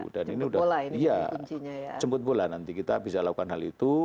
dan ini sudah iya jemput bola nanti kita bisa lakukan hal itu